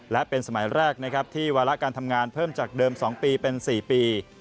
และเป็นสมัยแรกนะครับที่วาระการทำงานเพิ่มจากเดิม๒ปีเป็น๔ปี